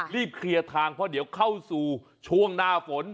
เคลียร์ทางเพราะเดี๋ยวเข้าสู่ช่วงหน้าฝน